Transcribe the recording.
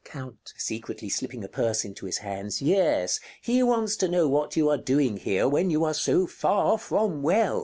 Count [secretly slipping a purse into his hands] Yes: he wants to know what you are doing here, when you are so far from well?